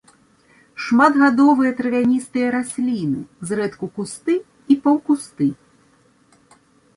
Шматгадовыя травяністыя расліны, зрэдку кусты і паўкусты.